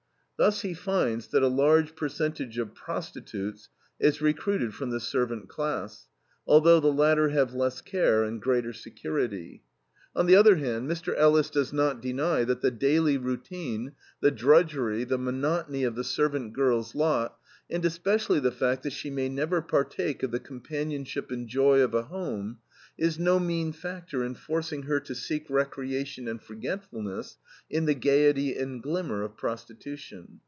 Thus he finds that a large percentage of prostitutes is recruited from the servant class, although the latter have less care and greater security. On the other hand, Mr. Ellis does not deny that the daily routine, the drudgery, the monotony of the servant girl's lot, and especially the fact that she may never partake of the companionship and joy of a home, is no mean factor in forcing her to seek recreation and forgetfulness in the gaiety and glimmer of prostitution.